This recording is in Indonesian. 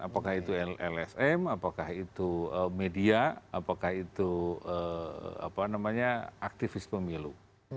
apakah itu lsm apakah itu media apakah itu aktivis pemilu